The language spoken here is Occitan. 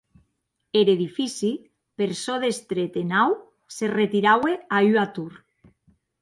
Er edifici, per çò d’estret e naut, se retiraue a ua tor.